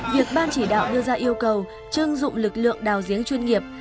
việc ban chỉ đạo đưa ra yêu cầu trưng dụng lực lượng đào diễn chuyên nghiệp